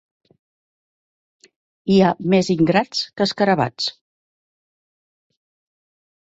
Hi ha més ingrats que escarabats.